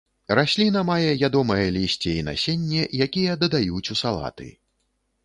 Расліна мае ядомае лісце і насенне, якія дадаюць у салаты.